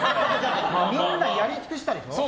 みんなやりつくしたでしょ。